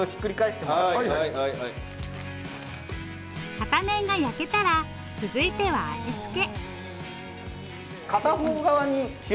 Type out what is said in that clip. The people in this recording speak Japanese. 片面が焼けたら続いては味付け。